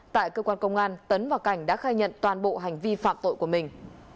tại cơ quan công an tấn và cảnh đã khai nhận toàn bộ hành vi phạm tội của mình